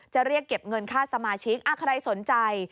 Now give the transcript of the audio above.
จะเรียกเก็บเงินค่าสมาชิกใครสนใจ